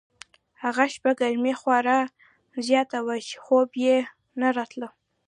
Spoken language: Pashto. هغه شپه ګرمي خورا زیاته وه چې خوب یې نه راته.